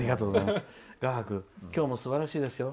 画伯、今日もすばらしいですよ